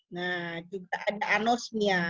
nah juga ada anosmia